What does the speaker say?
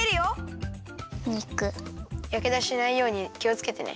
やけどしないようにきをつけてね。